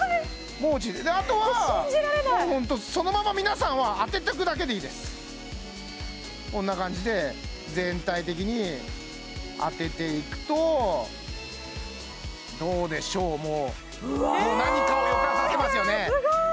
もう落ちるであとはもうほんと信じられないそのまま皆さんは当てとくだけでいいですこんな感じで全体的に当てていくとどうでしょうもう何かを予感させますよねすごい！